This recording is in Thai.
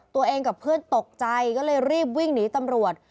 ตัวเองกับเพื่อนตกใจก็เลยรีบวิ่งหนีตำรวจ